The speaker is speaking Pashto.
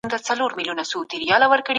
لوستې مور د کورنۍ د روغتيايي ستونزو حل لټوي.